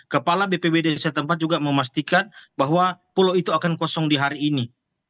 kepala bpbd setempat juga memastikan bahwa pulau itu akan kosong di hari ini